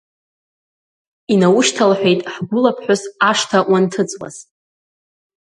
Инаушьҭалҳәеит ҳгәыла ԥҳәыс ашҭа уанҭыҵуаз.